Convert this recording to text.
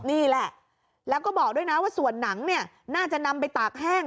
นี่แหละแล้วก็บอกด้วยนะว่าส่วนหนังเนี่ยน่าจะนำไปตากแห้ง